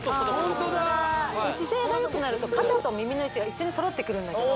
ホントだ姿勢がよくなると肩と耳の位置が一緒に揃ってくるんだけど・